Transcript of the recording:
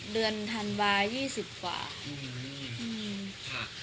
เดือนธันวา๒๐กว่า